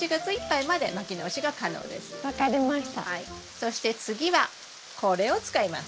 そして次はこれを使います。